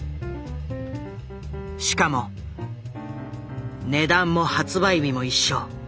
しかも値段も発売日も一緒。